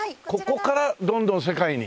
ここからどんどん世界に？